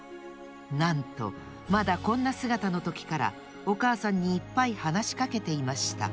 なんとまだこんなすがたのときからおかあさんにいっぱいはなしかけていました